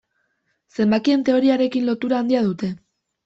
Zenbakien teoriarekin lotura handia dute.